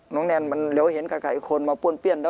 น้องแนนเหมือนเห็นไกลคนมาผู้นเป้ม